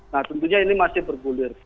nah tentunya ini masih bergulir